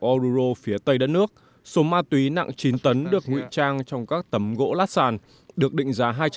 oruro phía tây đất nước số ma túy nặng chín tấn được nguyện trang trong các tấm gỗ lát sàn được định giá